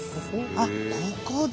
あっここだ。